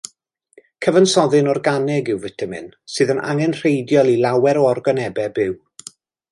Cyfansoddyn organig yw fitamin, sydd yn angenrheidiol i lawer o organebau byw.